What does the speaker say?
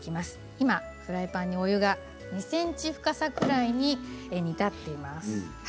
今フライパンに、お湯が２ｃｍ深さくらいに煮立っています。